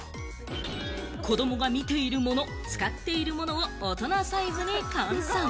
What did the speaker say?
子どもが見ているもの、使っているものを大人サイズに換算。